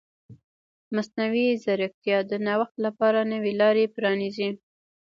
مصنوعي ځیرکتیا د نوښت لپاره نوې لارې پرانیزي.